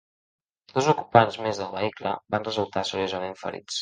Dos ocupants més del vehicle van resultar seriosament ferits.